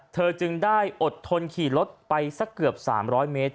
จึงได้อดทนขี่รถไปสักเกือบ๓๐๐เมตร